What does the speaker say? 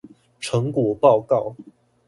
成果報告